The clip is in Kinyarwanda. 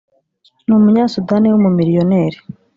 ni umunya-Sudani w’umumiliyoneri